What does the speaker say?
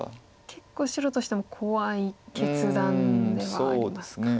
結構白としても怖い決断ではありますか。